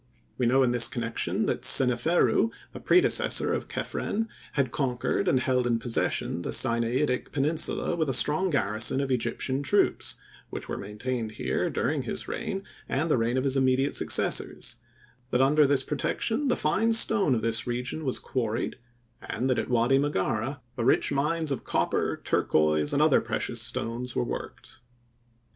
We know in this connection, that Seneferu, a predecessor of Kephren, had conquered and held in possession the Sinaitic peninsula with a strong garrison of Egyptian troops, which were maintained here during his reign and the reign of his immediate successors; that under this protection the fine stone of this region was quarried, and that at Wady Margarah the rich mines of copper, turquoise and other precious stones were worked.